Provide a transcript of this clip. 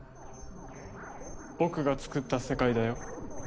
僕が作った世界だよ。